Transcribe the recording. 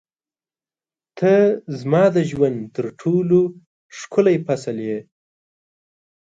• ته زما د ژوند تر ټولو ښکلی فصل یې.